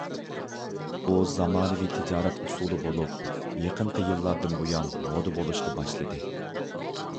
ئۇ زامانىۋى تىجارەت ئۇسۇلى بولۇپ، يېقىنقى يىللاردىن بۇيان مودا بولۇشقا باشلىدى.